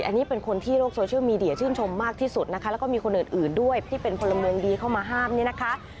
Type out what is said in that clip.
อันนี้เป็นคนที่โลกโซเชียลมีเดียชื่นชมมากที่สุดนะคะแล้วก็มีคนอื่นด้วยที่เป็นพลเมืองดีเข้ามาห้ามเนี่ยนะคะ